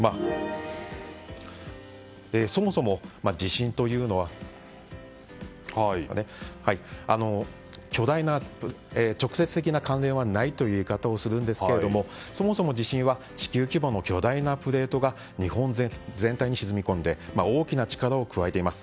そもそも地震というのは直接的な関連はないという表現をするんですけれども地球規模の巨大なプレートが日本全体に沈み込んで大きな力を加えています。